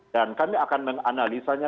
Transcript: dan kami akan menganalisanya